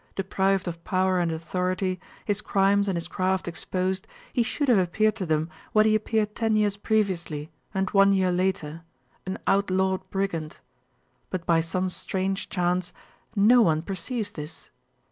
Deprived of power and authority, his crimes and his craft exposed, he should have appeared to them what he appeared ten years previously and one year later—an outlawed brigand. But by some strange chance no one perceives this.